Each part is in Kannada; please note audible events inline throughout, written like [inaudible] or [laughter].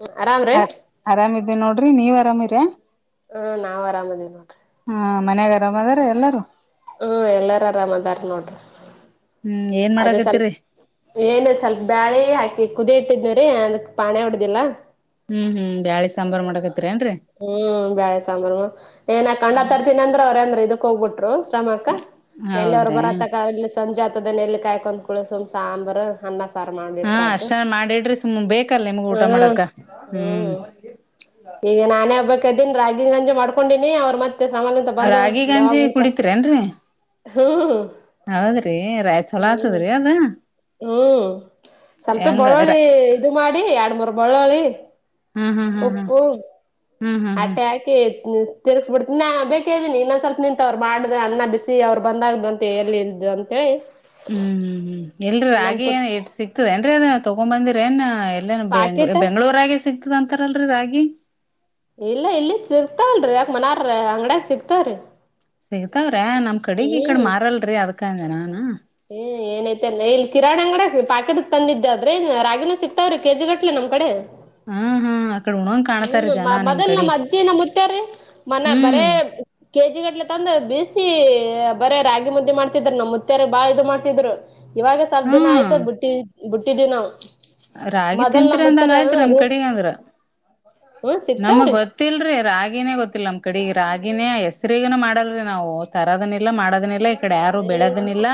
ಹ್ಮ್ ಆರಾಮ್ರೀ ಅದೇ ನೋಡ್ರಿ ನೀವ್ ಆಮಿರಾ ಹ್ಮ್ ನಾವ್ ಆರಾಮದಿವಿ ನೋಡ್ರಿ ಹಾ ಮನ್ಯಾಗ ಆರಾಮ ಅದಾರ ಎಲ್ಲಾರೂ ಹ್ಮ್ ಎಲ್ಲಾರ ಆರಾಮದಾರ ನೋಡ್ರಿ ಹ್ಮ್ ಏನ್ ಅದೇ [inaudible] ಸ್ವಲ್ಪ ಮಾಡಕತ್ತರಿ ಏನು ಸ್ವಲ್ಪ ಬ್ಯಾಳೆ ಹಾಕ ಕುದಿ ಇಟ್ಟಿದರಿ ಅದಕ್ ಪಾಣೆ ಹೊಡುದಿಲ್ಲಾ ಹ್ಮ್ ಹ್ಮ್ ಬ್ಯಾಳಿ ಸಾಂಬಾರ್ ಮಾಡಕತ್ರಿ ಏನ್ರರಿ ಹ್ಮ್ ಬ್ಯಾಳೆ ಸಾಂಬಾರು ಏನ ಕಂಡಾತ ಹ್ಮ್ ಇರ್ತನಿ ಅಂದ್ರ ಅವ್ರೇಂದ್ರ ಇದು ಹೋಗ್ಬಿಟ್ರು ಶ್ರಮಕ್ಕ ಎಲ್ಲಿ ಅವರು ಹೌದ್ರಾ ಬರತ ಅಲ್ಲಿ ಸಂಜಾತದ ಎಲ್ಲಿ ಕಾಯ್ಕೊಂಡ್ ಕುಳಡು ಸಾಂಬಾರಾರ್ ಅನ್ನ ಸಾರ ಹಾ ಮಾಡಿಟ್ರೇ ಆಯ್ತು ಅಷ್ಟ ಮಾಡಿಡ್ರಿ ಸುಮ್ ಬೇಕಲ್ಲ ನಿಮ್ಗ [inaudible] ಊಟ ಹ್ಮ್ ಮಾಡಕ ಹ್ಮ್ ಈಗ ನಾನೇ ಒಬ್ಬಾಕಿ ಅದಿನಿ ರಾಗಿ ಗಂಜಿ ಮಾಡ್ಕೊಂಡಿನಿ ಅವ್ರರು ಮತ್ತೆ ರಾಗಿ ಗಂಜಿ [unintelligible] ಕುಡಿತರೇನ್ರರಿ ಹ್ಮ್ ಹೌದ್ರಿ ರಾ ಚಲೋ ಹ್ಮ್ ಆತದ್ರಿ ಅದ [inaudible] ಹ್ಮ್ ಸ್ವಲ್ಪ ಹೆಂಗ ಬೆಳ್ಳೋಳಿ ಇದು ಮಾಡಿ ಎರಡ್ ಮೂರ್ ಬೆಳ್ಳುಳ್ಳಿ ಹ್ಮ್ ಹ್ಮ್ ಹ್ಮ್ ಹ್ಮ್ ಹ್ಮ್ ಹ್ಮ್ ಹ್ಮ್ ಹ್ಮ್ ಅಷ್ಟೇ ಹಾಕಿ ತಿರ್ಗಸ್ ಬಿಡ್ತಿ ಬೇಕೇ ಇದ್ದಿನಿ ಇನ್ನೊಂದ ಸ್ವಲ್ಪ ನಿಂತವ್ರು ಮಾಡ್ದ ಅನ್ನ ಬಿಸಿ ಅವ್ರು ಬಂದಾಗ ಬಂತ ಎಲ್ಲಿ [unintelligible] ಹ್ಮ್ ಹ್ಮ್ ಹ್ಮ್ ನನ್ ಇಲ್ರಿ ಪುಟ್ ಏನ್ ಇಟ್ಟು ಸಿಕ್ತದ ಏನ್ರಿ ಅದ ತೊಗೊ ಬಂದಿರ ಏನ್ ಅಲ್ಲೇ ಪಾಕೆಟ್ ಬೆಂಗಳೂರಾಗ ಸಿಗ್ತದ ಅಂತಾರಲ್ರರಿ ರಾಗಿ ಇಲ್ಲ ಇಲ್ಲಿಂದ ಸಿಗ್ತಾವಲ್ರಿ ಯಾಕ ಮನಾರ ಅಂಗ್ಡಿಯಾಗ ಸಿಗ್ತಾವ್ರೀ ಸಿಗ್ತಾವ್ರೆ ನಮ್ ಕಡೆಗ್ ಈ ಕಡೆ ಮಾರಲ್ರಿ ಅದ್ಕಂದ ನಾನ ಹ್ಮ್ ಏನೈತೆಲ್ಲ ಇಲ್ಲಿ ಕಿರಣ ಅಂಗಡಿ ಪಾಕೆಟ್ ತಂದಿದ್ದ ಆದ್ರೆ ರಾಗಿನೂ ಸಿಕ್ತಾವ್ರೀ ಕೆಜಿ ಗಟ್ಲೆ ನಮ್ಮ ಕಡೆ ಹಾ ಹಾ ಆ [unintelligible] ಹ್ಮ್ ಮೊದಲ್ ನಮ್ಮ ಅಜ್ಜಿ ನ ಮತ್ಯ್ರೀ ಮನ ಬರೇ ಹ್ಮ್ ಕೆಜಿ ಗಟ್ಲೆ ತಂದು ಬೀಸಿ ಬರೆ ರಾಗಿ ಮುದ್ದೆ ಮಾಡ್ತಿದ್ರ ನಮ್ಮ್ ಮುುತ್ತಾರ ಬಾಳ ಇದು ಮಾಡ್ತಿದ್ರು ಇವಾಗ ಸ್ವಲ್ಪ ದಿನ ಹ್ಮ್ ಆಯ್ತಾ ಬುಟ್ಟಿದ್ವಿ ನಾವು ರಾಗಿ ಮೊದಲ್ ನಮ್ ತಿಂತೀರಿ ಮುತ್ಯಾರ ಅಂದಂಗ ಆಯ್ತ್ರಿ ನಮ್ ರು ಕಡೆಗಂದ್ರ ಹ್ಮ್ [inaudible] ನಮಗ್ ಸಿಗ್ತಾವ್ರಿ. ಗೊತ್ತಲ್ರಿ ರಾಗಿನೇ ಗೊತ್ತಿಲ್ಲ ನಮ್ ಕಡೆ ರಾಗಿನೇ ಹೆಸರಿಗನ ಮಾಡಲ್್ರೀ ನಾವು ತರೋದನಿಲ್ಲ ಮಾಡದನಿಲ್ಲ ಈ ಕಡೆ ಯಾರು ಏ ಬೆಳೆದನಿಲ್ಲ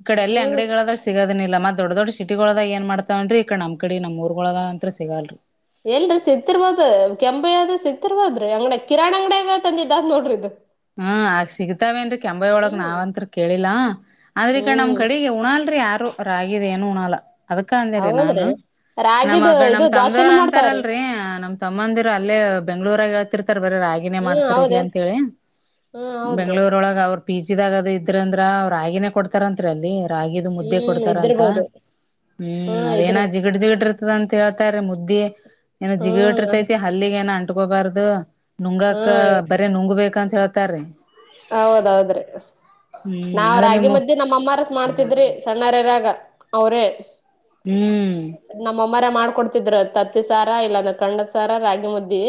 ಇ ಕಡೆ ಎಲ್ಲಿ ಹ್ಮ್ ಅಂಗಡಿಗಳಲ್ಲ ಸಿಗದಿಲ್ಲ ಇಲ್ಲತ್ತತ್ ದೊಡ್ ದೊಡ್ಡ ಸಿಟಿಗಳಳದ ಏ ಮಾಡ್ತವನ್ರಿ ಈ ಕಡ ನಮ್ಮ ಕಡೆ ನಮ ಊರ್ಗಳಳದ ಅಂತ್ ಸಿಗಲ್ರಿ ಎಲ್ರರಿ ಸಿತ್ತಿರ್ಬೋದು ಕೆಂಪ ಯ್ದ ಸಿತ್ತಿರ್ಬೋದ್ರಿ ಅಂಗ್ಡ ಕಿರಣಾಣ್ ಅಂಗಡಡಿಗಂದಿದ್ದ್ ನೋಡ್ರಿ ಇದು ಹ್ಮ ಆಗ ಸಿಗ್ತಾವೇನ್ರಿ ಕೆಂಬೈ ಒಳಗ್ ಹ್ಮ್ ನಾವ್ಂತತ್ ಕೇಳಿಲ್ಲಾ ಆದ್ರಿ ಕ ನಮ್ ಹ್ಮ್ ಕಡೆಗೆ ಉಣಲ್ರಿ ಯಾರ ರಾಗಿದಏನು ಉಣಾಲ ಅದಕ್ಕ ಅಂದೇಾರ ನಾನು ಹೌದ್ರಿ. ರಾಗಿದು ನಮ್ಗ ಇದು ನಮ್ ತಮದವ್ರ ದ್ವಾಸೆನು ಮಾಡ್ತಾವ್ರಿ ಅಂತಾರಲ್ರಿ ನಮ್ ತಮ್ಮಂದಿರ ಅಲ್ಲೇ ಬೆಂಗ್ಳೂರಾಗ ಹೇಳ್ತಿರ್ತಿ ಬರ ರಾಗಿಿನೇ ಹ್ಮ್ ಮಾಡ್ತಾರ ಇಲ್ಲಿ ಹೌದೇನ್ ಅಂತೇಳಿ ಹ್ಮ್ ಹೌದ್ರಿ ಬೆಂಗಳೂರ ಒಳಗೆ ಅವ ಪಿ ಜಿದಾಗ ಅದು ಇದ್ರಂದ್ರ ಅವ್ರ ಆಗಿನೇ ಕೊಡ್ತಾರತ್ರಿ ಅಲ್ಲಿ ರಾಗಿದು ಮುದ್ದೆ ಹ್ಮ್ ಕೊಡ್ತಾರ ಅಂತ ಇದ್ದಿರ್ಬೋದು. ಹಾ ಹ್ಮ್ ಇದ್ರ ಅದೇನ ಜಿಗತ್ ಜಿಗಟ್ ಅಂತ ಹೇಳ್ತಾರೆ ಮುದ್ದ ಏನ್ ಜಿಗಿ ಹ್ಮ್ ಬಿಟ್ಟಿರ್ತೈತಿ ಅಲ್ಲಿಗ್ ಏನೋ ಅಂಟಕೋಬಾರ್ದು ಹಾ ನುಂಗಕ ಬರ ನುಂಗ ಬೇಕಂತ ಹೇಳ್ತಾರೀ ಹೌದೌದ್ರಿ ಹ್ಮ್ ನಾವ್ ಅದೇ ರಾಗಿ ನಿಮ್ಮ ಮಧ್ಯ್ದೆ ನಮ್ಮ ಅಮ್ಮಾರಸ ಮಾಡ್ತಿದ್ರಿ ಸಣ್ಣಾರರಾಗ ಅವರೇ ಹ್ಮ್ ನಮ್ಮಮ್ಮರ ಮಾಡ್ಕೊಡ್ತ ಿದ್ರ ತತ್ತಿ ಸಾರ ಇಲ್ಲಾಂದ್ರೆ ಕಣಂಡದ ಸಾರ ರಾಗಿ ಮುದ್ದಿ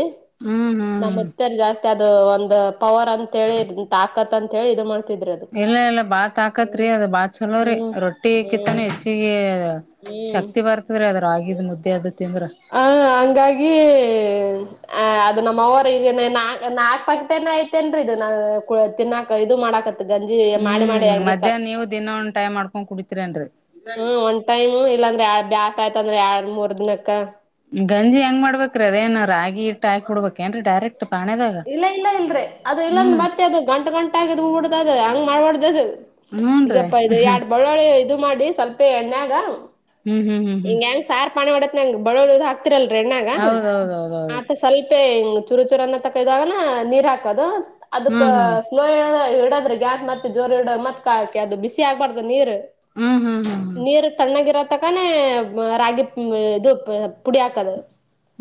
ಹ್ಮ್ ಹ್ಮ್ ಹ್ಮ್ ನಮ್ಮತ್ತೆಲ್ಲಿ ಜಾಸ್ತಿ ಮತ್ತ ಅದು ಒಂದ್ ಪವರ್ ಅಂತ ಹೇಳಿ ತಾಕತ್ ಅಂತ ಹೇಳಿ ಇದು ಮಾಡ ಇಲ್ಲ ಇಲ್ಲ ಬಾತ್ ಹಾಕತ್ರಿ ಅದ ಬಾತ್ ಚಲೋ್ರಿ ಹ್ಮ್ ರೊಟ್ಟಿ ಕಿತ್ತಾನ ಹ್ಮ್ ಹೆಚ್ಚಿಗೆ ಹ್ಮ್ ಶಕ್ತಿ ಬರ್ತದ್ರೀ ಅದ್ರಾಗಿದ್ ಮುದ್ದೆ ಅದ ಹ ಹಂಗಾಗಿ ಅ ಅದು ನಮ್ಮ ಅವರು ಈಗ ನಾ ನಾಲ್ಕಕ್ ಪಂಗಟನ ಐತೆೇನ್ರರಿ ಇದು ನಾ ತಿನ್ನಾಕ ಇದು ಮಾಡಕ ಹ್ಮ್ ಮಧ್ಯಾಹ್ ನೀವ ದಿನ ಒ್ ಟೈಮ್ ಮಾಡ್ಕೊಂಡ್ ಕುಡತಿೀರಿನ್ರರಿ ಹ್ಮ್ ಒಂದ್ ಟೈಮ್ ಇಲ್ಲಾಂದ್ರೆ ಎ ಬ್ಯಾಸ್ ಆಯ್ತ ಅಂದ್ರೆ ಎರ ಮೂರ್ ದಿನಕ್ಕ ಗಂಜಿ ಹೆಂಗ ಮಾಡ್ಬೇಕ್ರ ಅದೇನ ರಾಗಿ ಇಟ್ಟ ಹಾಕಿಡ್ಬೇಕೇಏನ್ೀ ಡೈರೆಕ್ಟ್ ಪಾಣೆದಾಗ ಇಲ್ಲ ಇಲ್ಲ ಇಲ್ ಅದು ಇಲ್ಲಾಂದ ಹ್ಮ್ ಮತ್ತೆ ಅದು ಗಂಟ ಗಂಟಗ ಹಬಡ್ದದ ಹಂಗ್ ಮಾಡ್ಬಾರಡ್ದದು ಹೂನ್ರಿ ಈಗಪ್ಪ ಇ ಎರಡು ಹ್ಮ್ ಬಳ್ಳಳಿ ಇದು ಮಾಡಿ ಸ್ವಲ್ಪೇ ಎಣ್ಣ್ಯಾಗ ಹ್ಮ್ ಹ್ಮ್ ಹ್ಮ್ ಹ್ಮ್ ಪಿ ಮಾಡಡತ್ಂಗ ಬಳಳದು ಹಾಕ್ತಿರಲ್ರಿ ಎಣ್ಣಾಗ ಆ ಹೌದೌದೌದೌದ್ರಿ ಸ್ಲ್ಪ ಚೂರು ಚೂರ ತಾಗ ನೀರ್ ಹಾಕದು ಹ್ಮ್ ಹ್ಮ್ ಅದಕ್ಫ ಇಡ್ರ ಗ್ಯಾಸ್ತ್ತೆ ಜೋರ್ ಇಡೋ ಮತ್ ಕಾಕ ಅದು ಬಿಸಿ ಆಗ್ಬಾರ್ದು ನೀರ್ ಹ್ಮ್ ಹ್ಮ್ ಹ್ಮ್ ಹ್ಮ್ ನೀರ್ ತಣ್ಣಗಿರೋತಕ್ಕಾನ ರಾಗಿಿ ಇದು ಪುಡಿಯಕದು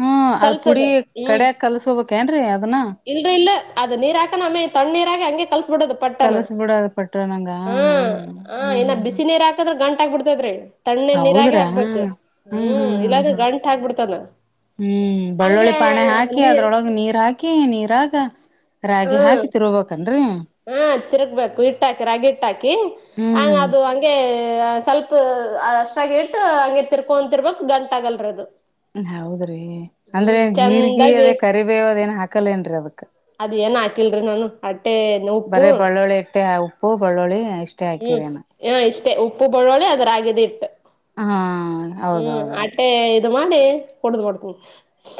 ಹ್ಮ್ ಅದ್ ಕಲ್ಸದ ಪುಡಿ ಹ್ಮ್ ಕಡ್ಯಾಗ ಕಲ್ಸ್ಕೋಬೇಕೇನ್ರಿ ಅದನ್ನ ಇಲ್ರಿ ಇಲ್ಲ ಅದು ನೀರ್ ಹಾಕಣ ಆಮೇ ತಣ್ಣ ನೀರ ಆ ಹಂ ಕಸ ಪಟ್ಟ ಕಲಸ್ಬಿಡದ ಪಟ್ರ ನಂಗ ಹ್ಮ್ ಹ್ಮ್ ಹ್ಮ್ ಹ ಹ್ಮ್ ಬಿಸ ಹ್ಮ್ ನೀರು ಹಾಕ್ರ ಗಂ ಬಿಡ್ತದ್ರೆ ತಣ್ಣ ಹ್ಮ ಹ್ಮ್ ಹ್ಮ್ ಹ್ಮ್ ಹ್ಮ್ ಗಂಟ್ ಆಗ್ಬಿಡ್ತದ ಹ್ಮ್ ಬೆಳ್ಳುಳ್ಳಿ ಹಂಗೆ ಪಾಣೆ ಹಾಕಿ ನೀರ್ ಅದ್ರೊಳಗ್ ನೀರ್ ಹಾಕಿ ನೀರಾಗ ರಾಗಿ ಹ್ಮ್ ಹಾಕಿ ತಿರ್ಬೇಕ ಹಾ ತಿರ್ಗ್ಬೇಕು ಹಿಟ್ಟ ಹಾಕಿ ರಾಗಿ ಹಟ್ಟ ಹಾಕಿ ಹ್ಮ್ ಹಂಗ ಅದು ಹ್ಮ್ ಹಗೆ ಸ್ವಲ್ಪ ಅಷ್ಟಾಗಿ ಇಟ್ಟು ಹಗೆ ತಿರ್ಕೊಂತರ್ಬಕ್ ಗಂಟ ಆಗಲ್ರ ಅದು ಹೌದ್ರಿ ಅಂದ್ರೆ ಹ್ಮ್ ಜೀರ್ಗಿ ಚಂದಾಗಿ ಅದೇ ಕರಿಬೇವ ಅದೇನ್ ಹಾಕಲ್ಲೇನ್ರರಿ ಅದಕ್ ಅದ್ ಏನ್ ಹಾಕಿಲ್ರಿ ನಾನು ಅಟ್ಟೆ ಉಪ್ಪು ಬರೇ ಬಳ್ಳುಳ್ಳಿ ಎಟ್ಟೆ ಉಪ್ಪು ಬಳ್ಳುಳಿ ಹ್ಮ್ ಹ ಇಷ್ಟೇ ಉಪ್ಪು ಬಳ್ಳೋಳಿ ಅದ್ರಾಗದ ಇಟ್ಟು ಹಾ ಹೌದೌದೌದು ಇದು ಮಾಡಿ ಕುಡುದ್ಬಡ್ತ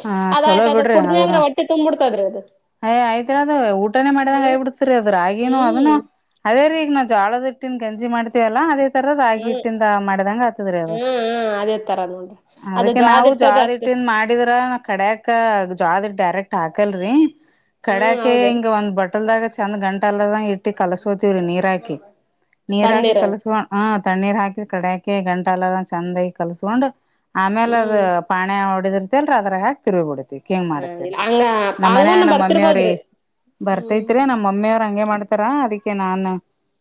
ಹಾ ಅದ ಚಲೋ ಆಯ್ತ ಅದ ಬಿಡ್ರಿ ಕುಡನ ಅಂದ್ರೆ ಅದನು ಒಟ್ಟಿ ತುಂಬ್ಬಿಡ್ತದ್ರಿ ಅದು ಅಯ್ ಆಯ್ತ್ರಿ ಅದ್ ಊಟನೇ ಹ್ಮ ಮಾಡಿದಂಗ ಆಯ ಬಿಡ್ತರಿ ಅದ್ ರಾಗಿನನು ಅದನ್ನು ಹ್ಮ್ ಅದೇ ರೀ ನಾವು ಜಾಳದೊಟ್ಟನ್ ಗಂಜಿ ಮಾಡ್ತೀವಲ್ಲ ಅದೇ ರಾಗಿ ಹ್ಮ್ ಹಿಟ್ಟಿಂದ ಮಾಡಿದಂಗ ಆತದ್ರೀ ಅದು ಹ್ಮ ಹ್ಮ್ ಹಾ ಹಾ ಅದೇ ತರ ನೋಡ್ರಿ ಅದು ಅದಕ್ಕೆ ಜ್ವಾಳದ್ ನಾವು ಹಿಟ್ಟದು ಜೋಳದ ಅಷ್ಟ ಹಿಟ್ಟ ನ್ ಮಾಡಿದ್ರ ಕಡ್ಯಾಕ ಜೋಳದ ಹಿಟ್ಟು ಡೈರೆಕ್ಟ್ ಹಾಕಲ್ರಿ ಹ್ಮ್ ಕಡ್ಯಾಕೆ ಹೌದೇನ್ ಹಿಂಗ ಒಂದ್ ಬಟಲ್ದಾಗ ಚಂದ್ ಗಂಟೆ ಅಲ್ಲದ ಇಟ್ಟಿ ಕಲಸೋತವ್ರೀ ನೀರ್ ಹಾಕಿ ನೀರ್ ಹಾಕಿ ತಣ್ಣೀರ ಕಲಸ್ಕೊಂಡ ಹಾ ತಣ್ಣೀರ್ ಹಾಕಿ ಕಡ್ಯಾಕಿ ಗಂಟಾಲ ಚೆಂದಾಗಿ ಕಲ್ಸ್ಕೊಂಡ್ ಆಮೇಲೆ ಅದ ಹ್ಮ್ ಪಾನೇ ಹೊಡ್ಕೊಂಡ ರ್ ಅದ್ರ ಹಾಕೀ ತಿರುಗೋಡು ರಿ ಹ ಹೆಂಗ್ ಹಾ ಮಾಡತ ಹಂಗ ನಮ್ಮ ಮನಯ ಹಂಗುನು ನಮ್ಮಮ್ಮಿ ಅವ್ರ ಬರ್ತಿರ್ಬೋದ್ರಿ ಹ್ಮ್ ಬರ್ತೈತ್ರಿ ನಮ್ಮ ಮಮ್ಮಿ ಅವ್ರ ಹಂಗೆ ಮಾಡ ನತರ ಅದಕ್ಕೆ ನಾನು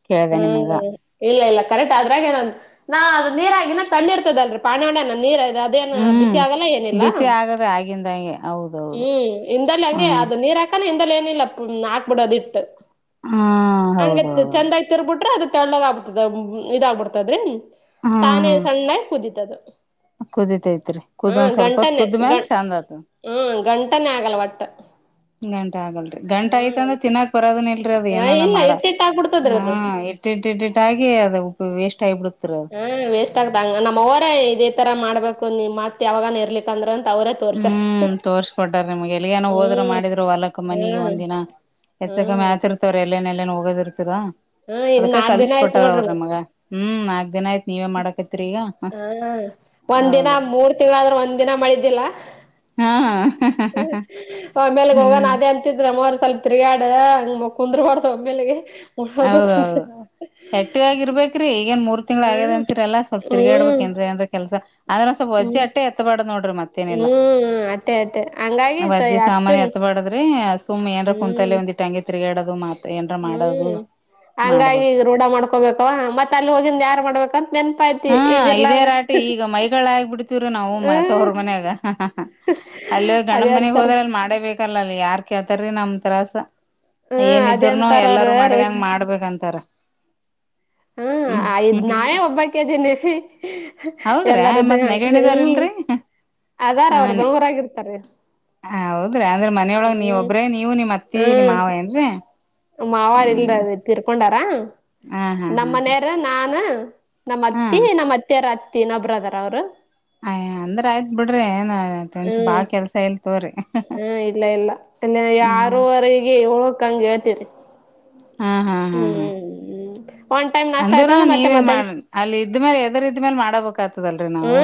ಕೇಳ್ದ ನಿಮಗ ಹ್ಮ್ ಇಲ್ಲ ಇಲ್ಲ ಕರೆಕ್ಟ್ ಅದ್ರಾಗ ಏನೊಂದು ನಾ ಅದು ನೀರ ಹಾಕಿ ತಣ್ಣ ಇರ್ತದಲ್ರಿ ಪಾನೇ ಹೊಡ್ಯನ ನೀರ್ ಅದೇ ಬಿಸಿ ಹ್ಮ್ ಆಗಲ್ಲ ಏನಿಲ್ಲ ಬಿಸಿ ಆಗಲ್ರಿ ಆಗಿಂದಾಗೆ ಹೌದೌದು ಹ್ಮಲ್ಲಿ ಹಗೆ ಹ್ಮ ಅದು ನೀರ್ ಹಾಕ ಏನಿಲ್ಲ ಹಾಕ್ಬಿಡೋದ ಇಟ್ಟು ಹ್ಮ ಹೌದೌದೌದು ಬಿಟ್ರೆ ಅದು ತೆಳ್ಳಗ ಆಗ್ಬತದ ಇದಾಗ್ಬಿಡ್ತದ್ರಿ ಹಾ ತಾನೆ ಹಾ ಸಣ್ಣಾಗಿ ಕುದಿತದ ಕುದಿತೈತ್ರಿ ಕುದ ಹ್ಮ್ ಒಂದ್ ಸ್ವಲ್ಪತ್ ಗಂಟನೆ ಕುದ್ದು ಮ್ಯಾಲ ಗಂ~ ಚೆಂದ್ ಆತ್ದರಿ ಹ್ಮ್ ಗಂಟನೆೇ ಆಗಲ್ ಒಟ್ಟ ಗಂಟ ಆಗಲ್ರಿ ಗಂಟ ಹ್ಮ್ ಆಯ್ತಂದ್ರೆ ತಿನ್ನಾಕ್ ಬರೋದನು ಇಲ್ಲರಿ ಅದು ಆ ಏನೋ ನಾ ಇಲ್ಲ ಮಾಡ ಇಟ್ಟ್ ಇಟ್ಟ್ ಆಗ್ಬಿಡ್ತದ್ರಿ ಹ ಅದು ಇಟ್ಟ ಇಟ್ಟ ಇಟ್ಟ ಇಟ್ಟಗಿ ಅದ ಉ ವೇಸ್ಟ್ ಆಗಿಬಿಡುತ್ತ ಹ ವೇಸ್ಟ್ ಆಗ್ದಂಗ ನಮ್ಮವರ ಇದೇ ತರ ಮಾಡ್ಬೇಕು ನೀ ಮಾಡ್ತಿ ಯಾವಾಗಾನ ಇರ್ಲಿಕ್ ಅಂದ್ರ ಹ್ಮ್ ತೋರ್ಸ್ಕೊಟಾರ ನಿಮ್ಗೆ ಎಲ್ಲಿಗನ ಹೋದರು ಹ್ಮ್ ಮಾಡಿದ್ರು ಹೊಲಕ್ ಮನಿಗ್ ಹ್ಮ್ ಒಂದ ದಿನ ಹೆಚ್ ಕಮ್ ಹ್ಮ್ ಆತಿರ್ತವ್ರ ಎಲ್ಲೇನ್ ಎಲ್ಲೇನ್ ಹೋಗೋದಿರ್ತರ ಹ್ಮ್ ಈಗ ಅದಕ್ಕ ನಾಕ್ ಕಲಸಿ ದಿನಾ ಕೋಟಳ ಅವರು ನಮಗ ಹ್ಮ್ ನಾಕ್ ದಿನ ಆಯ್ತು ಹ ಒಂದ ದಿನ ಹೌದ ಮೂರ್ ತಿಂಗಳಾದ್ರೆ ಒಂದ್ ದಿನ ಮಾಡಿದಿಲ್ ಹಾಂ ಆಮೇಲೆ ಹೋಗಣ ಅದೇ ಅಂತಿದ್ರೆ ನಮ್ಮವರ ಸ್ವಲ್ಪ ತಿರ್ಗಾಡ ಹಂಗ ಕುಂದರು ಮಾಡ್ದ ಒಮೇಲೆಗೆ ಉನಡು ಕುಂದ ಆಕ್ಟಿವ್ಗಿರ್ಬೇಕ್ರಿ ಈ ಏನ್ ಮೂರ್ ತಿಂಗಳ ಆಗ್ಯದ ಹ್ಮ್ ಅಂತೀರಲ್ಲ ಸ್ವಲ್ಪ ಹ್ಮ್ ತಿಗಾಡ್ಬೇಕೇನ್ರಿ ಅಂದ್ರೆ ಏನರ್ ಏನರ್ ಕೆಲಸ ಅ್ರಂದ ಸ್ಲ್ಪ ಹ್ಮ್ ಒಜಟೆ ಎತ್ತಬಾರದ ನೋಡ ಮತ್ತೇನಿಲ್ಲ ಹ್ಮ್ ಅಟ್ಟೆ ಅಟ್ಟೆ ಹಂಗಾಗಿ ಸ ವಜ್ಜೆ ಸಾಮಾನ ಅಷ್ಟನ್ ಎತ್ತಬಾರದ ರಿ ಸುಮ್ ಏನ್ರ ಕುಂತಲೆ ಹ್ಮ್ ವಂದಿಟ್ ತಿರುಗಾಡೋದು ಮಾತ್ರ ಏನರ ಮಾಡೋದು ಹ್ಮ್ ಹಂಗಾಗಿ ಮಾಡ್ಬೇಕು ರೂಢ ಮಾಡ್ಕೊಬೇಕ ಮತ್ತ ಅಲ್ಲಿ ಹೋಗಂದು ಯಾರ ಮಾಡ್ಬೇಕ ಹಾ ಇದೇ ರಾಟಿ ಈಗ ಮೈಗಳ ಆಗ್ಬಿಡ್ತಿವ್ರಿ ನಾವು ಮತ್ತು ಹ್ಮ್ ತವರು ಮನ್ಯಾಗ ಅಲ್ಲೇ ಗಂಡನ ಅದೇ ಮನೆಗ್ ಅಂತಾರ ಹೋದ್ರ ಅಲ್ಲಿ ಮಾಡೇಬೇಕಲ್ಲ ಅಲ್ಲಿ ಯಾರ್ ಕೇಳ್ತಾರೀ ನಮ್ ತ್ರಾಸ ಹ್ಮ್ ಅದೇ ಏನಿದ್ರನು ಅಂತಾರ ಎಲ್ಲಾರೂ ಅವ್ರ ಮಾಡಿದ್ ರೋಡ್ ಹಂಗ ಮಾಡ್ಬೇಕಂತಾರ ಹ್ಮ್ ಹ್ಮ್ ಹ್ಮ ನಾವೇ ಹ್ಮ್ ಒಬ್ಬಕೀ ಹೌದ್ರಾ ಎಲ್ಲಾರ್ದು ಹ್ಮ ಹ ಹ ಹೌದ್ರಿ ಅಂದ್ರೆ ಮನೆಯೊಳಗ್ ನೀವ ಹ್ಮ್ ಒಬ್ರೇ ನೀವು ನಿಮ್ಮ ಮತ್ತಿ ನಿಮ್ಮ ಮಾವ ಏನ್ರೀ ಮಾವಾರ ಇಲ್ರಿ ತಿರ್ಕೊಂಡಾರ ಹಾ ಹಾ ಹಾ ನಮ್ಮನೆಯರ ನಾನ ನಮ್ಮ್ ಹಾ ಅತ್ತಿ ನಮ್ಮ್ ಅತ್ತಿಯರ ಅತ್ತಿ ಇನ್ನೊಬ್ಬ್ರ ಅದರ ಅವ್ರು ಅಯ ಅಂದ್ರ ಆಯ್ತ್ ಬಿಡ್ರಿ ಏನ್ನ ಬಾಲ ಕೆಲ್ಸ ಇಲ್ಲತೊಗೊರಿ ಹಾ ಇಲ್ಲ ಇಲ್ಲ ಅಲ್ಲಿ ಆರುವರೆ ಏಳುಕ ಹಂಗ ಏಳ್ತೀನಿ ಹಾ ಹಾ ಹಾ ಹಾ ಒನ್ ಟೈಮ್ ನಾಷ್ಟ ಆಯ್ತ ಅಂದ್ರನು ಅಂದ್ರೆ ಮತ್ತೆ ನೀವೇ ಮಧ್ಯಾಹ್ನ ಮಾಡ ಅಲ್ಲಿ ಇದ್ಮೇಲೆ ಎದರು ಮೇಲೆ ಮಾಡಬೇಕು ಹ್ಮ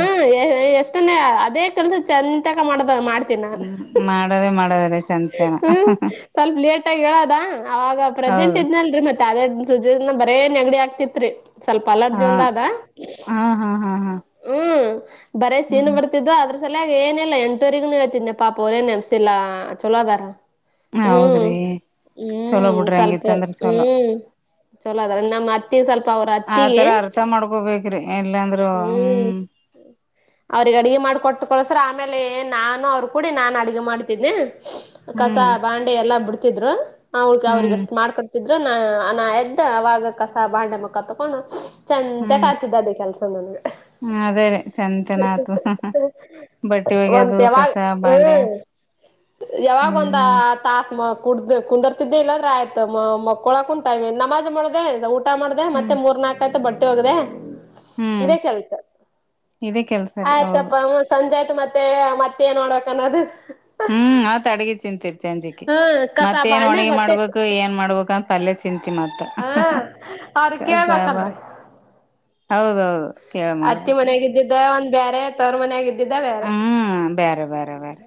ಎಷ್ಟನ್ನ ಅದೇ ಕೆಲ್ಸ ಸಂಜಿತನಕ ಮಾಡದ ಹ್ಮ ಮಾಡದೇ ಮಾಡದ ಹ್ಮ ಸ್ವಲ್ಪ ಲೇಟ್ ಆಗಿ ಏಳದ ಅವಾಗ ಪ್ರೆಗ್ನೆಂಟ್ ಹೌದು ಇದ್ನಲ್ರಿ ಮತ್ತೆ ತ್ತೆ ಅದೇ ಸುಜನ ಬರೇ ನೆಗಡಿ ಆಗ್ತಿತ್ರಿ ಸ್ವಲ್ಪ ಅಲರ್ಜಿ ಹಾ ಒಂದ ಅದ ಹಾ ಹಾ ಹಾ ಹಾ ಹ್ಮ್ ಬರೇ ಸೀನ್ ಹ್ಮ್ ಬರ್ತಿದ್ದ್ ಅದ್ರ ಸಲಯಾಗಿ ಏನೆಲ್ಲ ಎಂಟವರಿಗೂ ಹೇಳ್ತಿದ್ದೆ ಪಾಪ ಅವರೇನ್ ನೆನ್ಸಿಲ್ಲಾ ಚಲೋದಾರ ಹ್ಮ್ ಹೌದ್ರಿ ಚಲೋ ಹ್ಮ್ ಬಿಡ್ರಿ ಸ್ವಲ್ಪ ಹಂಗಿತ್ತಂದ್ರ ಚಲೋ ಹ್ಮ್ ಚೊಲೋ ಅದ್ರ ನಮ್ಮ ಅತ್ತಿ ಸ್ವಲ್ಪ ಅವ್ರ ಅತ್ತಿಗೆ ಆತರ ಅರ್ಥ ಮಾಡ್ಕೋಬೇಕ್ರಿ ಇಲ್ಲಾಂದ್ರರು ಹ್ಮ್ ಅವ್ರಗ ಅಡ್ಗೆ ಮಾಡ್ಕೊಟ್ಟು ಕಳಸ ಆಮೇಲೆ ನಾನು ಅವರು ಕೂಡಿ ನಾನು ಅಡುಗೆ ಮಾಡ್ತಿದ್ದನನೆ ಕಸ ಹ್ಮ್ ಬಾಂಡೆ ಎಲ್ಲಾ ಬಿಡ್ತ ಅವಳಿಗೆ ಅವ್ರಿಗೆ ಹ್ಮ್ ಎಷ್ಟ್ ಮಾಡ್ಕಡ್ತಿದವಿ ನ ನ ಎದ್ದ ಅವಾಗ ಕಸ ಬಂಡೆ ಮುಕ್ಕ ತಕೊಂಡು ಚಂದ ತಕತಿದ್ದ ಅದೇ ಕೆಲಸ ಹ್ಮ ಅದೇ ರೇ ಚಂತೆನಾತು ಬಟ್ಟಿ ಒಂತ ಬಗ ಯಾವಾಗ ಕಸ ಭಾಂಡೆ ಹ್ಮ್ ಯಾವಾಗ ಬಂದ ತಾಸ ಮ ಕುಡ್ದ ಕುಂದರ್ತಿದ್ದೆ ಇಲ್ಲದ್ರ ಆಯ್ತತ್ ಮಕ್ಕಳಕನ್ ಟೈಮ ನಮಾಜ್ ಮಾಡ್ದ ಮಾಡ್ದ ಹ್ಮ್ ಮತ್ತೆ ಮೂರ್ ನಾಲ್ಕ್ ಆಯ್ತು ಬಟ್ಟೆ ಹೋಗದೆ ಹ್ಮ್ ಇದೇ ಕೇಳಿ ಸರ್ ಇದೇ ಕೆಲ್ಸ ರೀ ಹೌದು ಆಯ್ತಪ್ಪ ಸಂಜೆ ಆಯ್ತ ಮತ್ತೆ ಮತ್ತೆ ಏನ್ ನೋಡ್ಬೇಕ ಅನ್ನೋದು ಹ್ಮ್ ಆತ್ ಅಡ್ಗಿ ತಿಂತರ್ ಚಂಜಿಿಕಿ ಹ್ಮ ಕಸ ಮತ್ತೇಏನ್ ಬಾಂಡೆ ಒಣಗಿ ಮತ್ತೆ ಮಾಡ್ಬೇಕು ಏನ್ ಮಾಡ್ಬೇಕು ಅಂತ ಪಲ್ಯ ಚಿಂತಿ ಮಾತ್ರ ಹಾ ಅವ್ರ ಕಸಬ ಹೌದು ಹೌದೌದು ಕೇಳ ಮಾಡ್ಬಟ್ಟಿದೆ ಬೇರೆ ತರ್ ಮನೆ ಆಗಿದ್ದ ಹ್ಮ್ ಬೇಾರೆ ಬೇರೆ ಬೇರೆ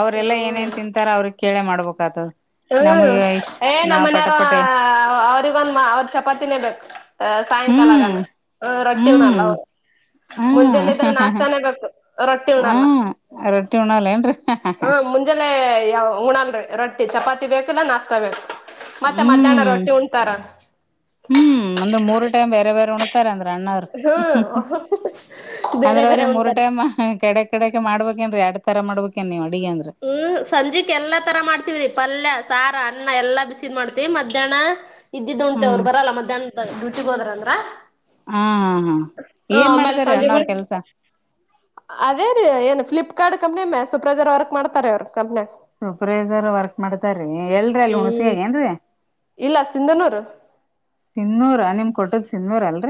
ಅವ್ರೆಲ್ಲಾ ಹ್ಮ್ ಏನೇನ್ ತಿಂತಾರ ಅವ್ರಿಗೆ ಕೇಳೇ ಮಾಡ್ಬೇಕದ ಹ್ಮ್ ಏ ನಮ್ಮ್ ಮನಯಾರ ಪಟೆ ಅವ್ರಿಗೊಂದ ಅವ್ರ ಚಪಾತಿನೇ ಬಕ್ ಹ್ಮ್ ಸಾಯಂಕಾಲಗಾನ ರೊಟ್ಟಿನ ಅಲ್ಲ ಹ್ಮ್ ಹಾ ಮುಂಜೆಲ್ಲ ಇದ್ರೆ ನಾಷ್ಟತಾನೇ ಬೇಕು ರೊಟ್ಟಿ ಉಣಲ್ಲ ಹಾ ರೊಟ್ಟಿ ಉಣಲ್ಲ ಏನ್ರರಿ ಹ್ಮ ಮುಂಜೆಲ್ಲೆ ಯಾವ ಉಣಲ್ರಿ ರೊಟ್ಟಿ ಚಪಾತಿ ಬೇಕು ಇಲ್ಲಾ ನಾಸ್ತಾ ಬೇಕು ಮತ್ತೆ ಮಧ್ಯಾಹ್ನ ಹ್ಮ್ ರೊಟ್ಟಿ ಉಣತಾರ ಅಣ್ಣ್ರ ಬೇರೆ ಅಂದ್ರ ಅವ್ರೀ ಬೇರೆ ಮೂರ್ ಉಣ್ತಾರ ಟೈಮ್ ಕೆಡೆ ಕಡೆಕ ಮಾಡ್ಬೇಕೇನ್್ರೀ ಎಡ್ತರ ಮಾಡ್ಬೇಕು ಹ್ಮ್ ಸಂಜೆಕ್ ಎಲ್ಲಾ ತರ ಮಾಡ್ತವ್ರಿ ಪಲ್ಯ ಸಾರ ಅನ್ನ ಎಲ್ಲಾ ಬಿಸಿದ್ ಮಾಡ್ತೀವಿ ಮಧ್ಯಾಹ್ನ ಇದ್ದಿದ್ದ ಉಂತೆವ್ರು ಹ್ಮ್ ಬರಲ್ಲ ಮಧ್ಯಾಹ್ನ ಗ ಹೋದ್ರ ಅಂದ್ರ ಹಾ ಹಾ ಹಾ ಹ ಏನ್ ಆಮೇಲೆ ಮಾಡ್ತಾರ ಸಂಜೆ ಅಣ್ಣವ್ರ ಕೆಲ್ಸ ಅದೇ ರೀ ಏನು ಫ್ಲಿಪ್ಕಾರ್ ಕಂಪ್ನಿಮ್ಮೆ ಸುಪ್ರೈಜರ್ ವರ್ಕ್ ಮಾಡ್ತಾರೆ ಅವ್ರು ಸೂಪರ್ವೈಸರ್ ವರ್ಕ್ ಮಾಡ್ತಾರೀ ಎಲ್ರಿ ಅಲ್ ಹುಣ್ಸಗ ಹ್ಮ್ ಏನ್ರೀ ಇಲ್ಲ ಸಿಂಧನೂರು ಮ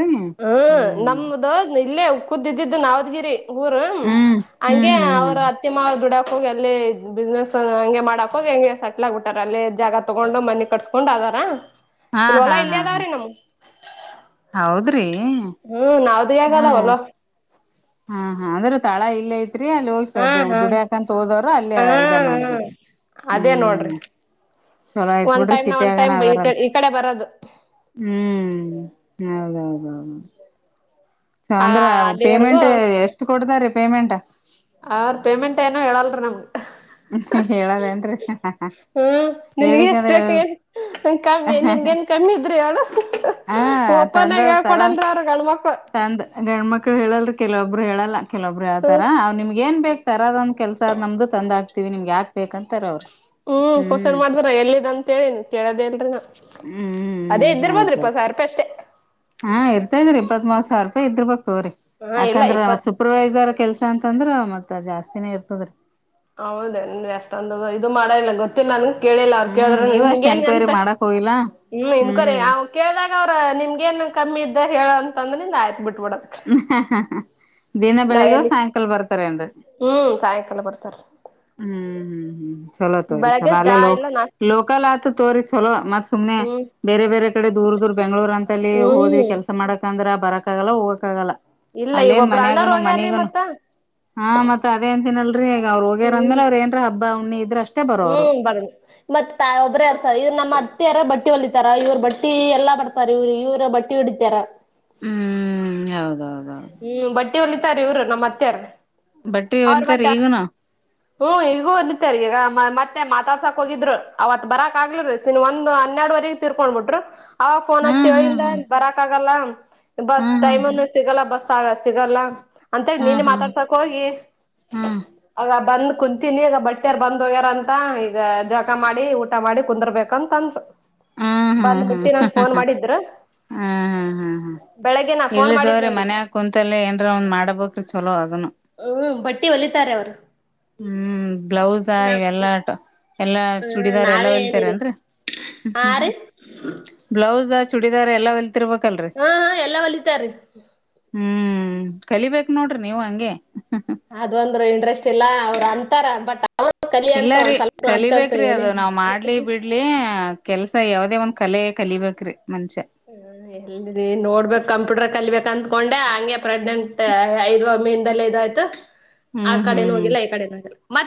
ಹ್ಮ್ ನಮ್ದ ಇಲ್ಲೇ ಕುದಿದ್ದಿದ್ದು ನವದ್ಗಿರಿ ಊರ ಹ್ಮ್ ಹ್ಮ್ ಹಂಗೆ ಹ್ಮ್ ಅವ್ರ ಹ್ಮ್ ಅತ್ತೆ ಮಾವ ದುಡ ಿ ಅಲ್ಲಿ ಬಿಸ್ನೆಸ್ ಹಂಗೆ ಮಾಡಕ ಹೋಗಿ ಹಂಗೆ ಸೆಟ್ಲ್ ಆಗ್ಬಿಟ್ಟಾರ ಅಲ್ಲಿ ಜಾಗ ತಗೊಂಡು ಮನಿ ಕಟ್ಸ್ಕೊಂಡು ಅದ ಹಾ ಇಲ್ ಹೊಲಾ ಇಲ್ಲಿ ಅದಾವ್ರೀ ನಮ್ಗೆ ಹೌದು ಹ್ಮ್ ನಾವ್ದ ಯಗ ಅದಾವಲ್ಲ ಹಾ ಹಾ ಅಂದ್ರೂ ತಾಳ ಇಲ್ಲ ಇತ ರಿ ಅಲ್ಲಿ ಹಾ ಹೋಗಿ ಹಾ ದುಡಕಂತ ಹೋದವರು ಅಲ್ಲಿ ಹಾ ಇದ ಹಾ ಮಾಡಿದಿಡ್ರಿ ಅದೇ ನೋಡ್ರಿ ಹ್ಮ್ ಚಲೋ ಆಯ್ತ್ ಒಂದ್ ಬಿಡ್ರಿ ಟೈಮ್ ನ ಸಿಟಿ ಒಂದ್ ಆಗನ ಟೈಮ್ ಅದಾರಲ್ ಈ ಕಡೆ ಬರೋದು ಹ್ಮ್ ಹೌದೌದೌದು ಆ ಅಂದ್ರ ಅಲ್ಲಿವರೆಗೂ ಪೇಮೆಂಟ್ ಎಷ್ಟು ಕೊಡದಾ ರೀ ಪೇಮೆಂಟ್ಟ ಅವ್ರ ಪೇಮೆಂಟ್ ಏನೋ ಹೇಳಲ್ರಿ ನಮ್ಗ ಹೇಳದೇನ್ರಿ ಹ್ಮ ನಿನ್ಗೆ ಎಷ್ಟ ಹೇಳಿಕಂದ್ರ ಹೇಳ ಬೇಕು ನ್ ಕಮ್ಮಿ ನಿನ್ಗ ನ್ ಕಮ್ಮಿ ಇದ್ರಿ ಅವಳ ಹಾ ತಂದ ತರ ಅವ್ರ ಗಂಡ್ಮಕ್ಳು ತಂದ ಗಣ್ಮ ಮಕ್ಕಳ ಹೇಳಲ್ರು ಕೆಲವೊಬ್ಬರು ಹೇಳಲ್ಲ ಕೆಲೊಬ್ಬರು ಹೇಳ್ತಾರ ಅವ್ ನಿಮ್ಗೆ ಏನ್ ಬೇಕ ತರದೊಂದ್ ಕೆಸದ ನಮ್ದು ತಂದ ಆತಿ ವಿ ನಿಮ್ಗೆ ಯಾಕ್ ಬೇಕ ಅಂತಾರೆ ಅವರು ಹ್ಮ್ ಕೋಷನ್ ಮಾಡ್ದ್ರ ಎಲ್ಲ್ಂತೇಳಿ ನೀ ಕೇಳದೇ ಇಲ್ರಿನ ಹ್ಮ್ ಹ್ಮ್ ಹ್ಮ್ ಹೌದ್ರೀ ರೂಪಾಯಿ ಅಷ್ಟೇ ಹಾ ಇರ್ತಾದ್ರರಿ ಇಪ್ಪತ್ ಮಾಸ ಸಾವಿ ರೂಪಾಯಿ ಇದ್ಬೇಕ್ ತವ್ರರಿ ಹಾ ಇಲ್ಲ ಯಾಕಂದ್ರ ಇಪ್ಪತ್ ಸೂಪರ್ವೈಸರ್ ಕೆಲ್ಸ ಅಂತಂದ್ರ ಮತ್ ಜಾಸ್ತಿನೇ ಇರ್ತದ್ರೀ ಹೌದೇನ್ರಿ ಅಷ್ಟೊಂದು ಇದು ಮಾಡ ಇಲ್ಲ ಗೊತ್ತಿಲ್ಲ ನನ್ಗೆ ಕೇಳಿಲ್ಲ ಅವ್ರು ಹ್ಮ್ ಕೇಳಿದ್ರ ನೀವು ನಿನ್ ಅಷ್ಟ್ ಏನ್ ಎನ್ಕ್ವೈರಿ ಅಂತ ಮಾಡಕ್ ಹೋಗಿಲ್ಲ ಇಲ್ಲ ಇನ್ ಕೊನೆ ಹ್ಮ್ ಅವ ಕೇಳ್ದಾಗ ಅವ್ರ ನಿಮ್ಗ ಏನ್ ಕಮ್ಮಿ ಇದ್ದ ಹೇಳಂತಂದ್ರೆಂದ ಆಯ್ತ್ ಬಿಟ್ಟಿ ದಿನ ನಾ ಬೆಳಿಗೂ ಎಲ್ಲಿ ಸಾಯಂಕಾಲ ಬರ್ತ ಹ್ಮ್ ಸಾಯಕಾಲ ಬರ್ತಾರ ಹ್ಮ್ ಹ್ಮ್ ಹ್ಮ್ ಚಲೋ ತೋರಿ ಬೆಳಗ್ಗೆ ಚಲೋ ಚಾ ಅಲ್ಲೋ ಇಲ್ಲ ನಾ ಲೋಕಲ್ ಆತ ತೋರಿ ಚಲೋ ಮತ್ತ ಸುಮ್ನೆ ಹ್ಮ್ ಬೇರೆ ಬೇರೆ ಕಡೆ ದೂರ ದೂರ್ ಬೆಂಗ್ಗಳೂರ್ ಅಂತಲ್ಲಿ ಹೋದ್ವಿ ಹ್ಮ್ ಕೆಲಸ ಮಾಡಕಂದ್ರ ಬರಕ್ಕಾಗಲ್ಲ ಹೋಗಕ್ಕಾಗಲ್ಲ ಇಲ್ಲ ಈಗ ಅಲ್ಲೇನ್ ಒಬ್ಬ್ರ ಅಣ್ಣಾರ್ ಮನ್ಯಾಗನು ಹೋಗ್ಯಾರ್ರಿ ಮನಿಗನು ಮತ್ತ ಹ ಮತ್ತತ್ ಅದೇ ಅಂತನಲ್ರರಿ ಈಗ ಅವ್ರ ಹ್ಮ್ ಅಂದೇ ಅವ್ರ ಏನ್ ಹಬ್ ಹುಣಿ ಇದ್ರಷ್ಟ ಹ್ಮ್ ಬಣ ಮತ್ ಒಬ್ರೇ ಇರ್ತಾರೆ ಇವ್ರು ನಮ್ಮ ಹತಾರ ಬಟ್ಟಿ ಹೊಲಿತಾರ ಇವ್ರ ಬಟ್ಟಿ ಎಲ್ಲಾ ಬರ್ತಾರ ಇವ್ರು ಇವ್ ಬಟ್ಟಿ ಹಿಡಿತಾರ ಹೌದ ಹೌದು ಹ್ಮ್ ಬಟ್ಟಿ ಹೊಲಿತಾರ ಇವ್ರು ನಮ್ಮ್ ಅತ್ತೆರ್ ಬಟ್ಟಿ ಅವ್ರ ಮೆ ಹೊಲ್ತಾರ ಈಗನು ಹ್ಮ ಈಗೂ ಬಂದತ್ತಾರ ಈಗ ಮತ್ತ ಮತ್ತೆ ಮಾತಾಡ್ಸಾಕ್ ಹೋಗಿದ್ರು ಅವತ್ ಬರಾಕ್ ಆಗ್ಲಲ್ರೀ ಸನ್ ಒಂದ್ ಹನ್ನೆರಡವರೆಗ ತಿೀರ್ಕೊಂಡ್ ಬಿಟ್ರು ಅವ ಫೋನ್ ಹತ್ ಹ್ಮ್ ಹ್ಮ್ ಹೇಳಿಂದ ಬರಕ್ ಆಗಲ್ಲ ಬಸ್ ಹ್ಮ್ ಟೈಮ್ ಅನ್ನು ಹ್ಮ್ ಸಿಗಲ್ಲ ಬಸ್ ಸಿಗಲ್ಲ ಅಂತಿ ನೀನು ಹ್ಮ್ ಹ್ಮ್ ಹ್ಮ್ ಮಾತಾಡ್ಸಕ್ ಹೋಗಿ ಹ್ಮ್ ಆ ಬಂದ ಕುಂತೀಿನಿ ಈಗ ಬಟ್ಟ್ಯಾರ್ ಬಂದ್ ಹೋಗ್ಯಾರಂತ ಈಗ ಜಾಗ ಮಾಡಿ ಊಟ ಮಾಡಿ ಕುಂದರ್ಬೇಕಂತಂದರು ಹ್ಮ್ ಹ್ಮ್ ಬಂದ್ಬಿಡ್ತೀ ಹ್ಮ್ ನನ್ ಹ್ಮ್ ಫೋನ್ ಹ್ಮ್ ಮಾಡಿದ್ರ ಇರ್ಲಿದೋರಿ ಮನ್ಯ ಕುಂತಲ್ಲ ಏನ್ರ ಒಂದ್ ಮಾಡ್ಬ್ರಿ ಚಲೋ ಅದನು ಹ್ಮ್ ಬಟ್ಟಿ ಹೊಲಿತಾರೆ ಅವ್ರು ಹ್ಮ್ ಬ್ಲೌಸಾ ನಾ ಇವೆಲ್ಲಾಟ ಹ್ಮ್ ಚೂಡಿದಾರ್ ಎಲ್ಲಾ ನಾವೇ ಹೊಲ್ತಾರೆ ಏನಿಲ್ಲ ಅಂದ್ರೆ ಹ್ಮ್ ಹಾ ಹ್ಮ್ ರೀ ಹ್ಮ್ ಬ್ಲೌಸ್ ಚೂಡಿದಾರ್ ಎಲ್ಲಾಲ್ತ ಹಾ ಹಾ ಎಲ್ಲಾ ಒಲಿತಾರೀ ಹ್ಮ್ ಕಲಿಬೇಕ್ ನೋಡ್ರಿ ನೀವು ಹಂಗೆ ಅದ್ ಒಂದ್ರು ಇಂಟ್ರೆಸ್ಟ್ ಇಲ್ಲ ಅವ್ರು ಅಂತಾರ ಬಟ್ ಅವ್ರು ಕಲಿ ಇಲ್ಲ ಅಂತ ರೀ ಒಂದ್ ಸ್ವಲ್ಪ ಹಚ್ಚಂತ ಕಲಿಬೇಕ್ರಿ ಏನೇ ಅದು ನಾವ್ ಮಾಡ್ಲಿ ಬಿಡ್ಲಿ ಕೆಲ್ಸ ಯಾವದೇ ಒಂದ್ ಕಲೆ ಕಲಿಬೇಕ್ರೀ ಹ ಎಲ್ರಿ ನೋಡ್ಬಕ್ ಕಂಪ್ಯೂಟರ್ ಕಲಿಬೇಕಕ್ ಅಂದತ್ಕೊಂಡೆ ಹಂಗೆ ಪ್ರೆಗ್ನೆಂಟ್ ಐದು ಮೇಿಂದಲೇ ಇದಯ್ತು ಆ ಹ್ಮ್ ಕಡೊ ಹ್ಮ್ ಹ್ಮ್ ಹೋಗಿಲ್ಲ ಈ ಕಡೆನ ಹೋಗಿಲ್ಲ